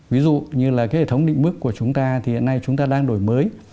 ví dụ như là cái hệ thống định mức của chúng ta thì hiện nay chúng ta đang đổi mới